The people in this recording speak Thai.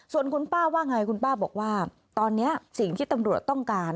ส่วนคุณป้าว่าไงคุณป้าบอกว่าตอนนี้สิ่งที่ตำรวจต้องการ